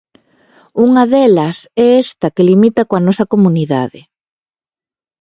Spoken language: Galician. Unha delas é esta que limita coa nosa comunidade.